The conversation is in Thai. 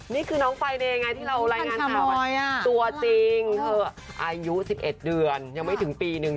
นี่คือน้องไฟเดย์ไงที่เรารายงานตลอดตัวจริงเธออายุ๑๑เดือนยังไม่ถึงปีนึง